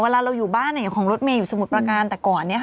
เวลาเราอยู่บ้านอย่างของรถเมย์อยู่สมุทรประการแต่ก่อนเนี่ยค่ะ